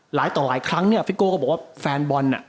หลายต่อหลายครั้งเนี่ยฟิโก้ก็บอกว่าแฟนบอลน่ะ